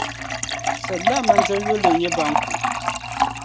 Sadilan bindiri yurili n-nyɛ banku.